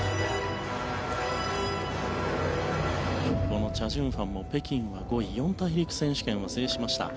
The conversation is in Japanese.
このチャ・ジュンファンも北京５位四大陸選手権は制しました。